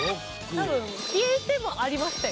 多分消えてもありましたよね。